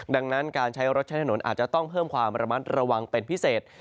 ดังนั้นการใช้รถใช้ถนนอาจจะต้องเพิ่มความระมัดระวังเป็นพิเศษ